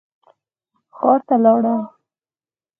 ښار ته لاړم.